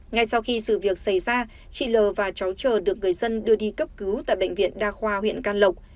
ngay sau khi sự việc xảy ra chị l và cháu chờ được người dân đưa đi cấp cứu tại bệnh viện đa khoa huyện can lộc